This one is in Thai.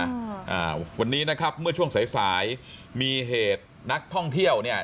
อ่าวันนี้นะครับเมื่อช่วงสายสายมีเหตุนักท่องเที่ยวเนี่ย